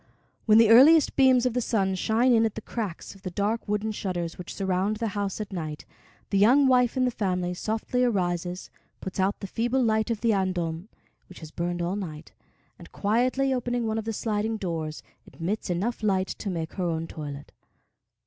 When the earliest beams of the sun shine in at the cracks of the dark wooden shutters which surround the house at night, the young wife in the family softly arises, puts out the feeble light of the andon, which has burned all night, and, quietly opening one of the sliding doors, admits enough light to make her own toilet.